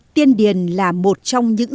tiên điền là một trong những xã